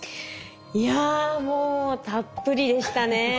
いやもうたっぷりでしたね。